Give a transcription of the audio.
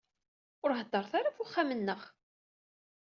Ur heddret ara ɣef uxxam-nneɣ.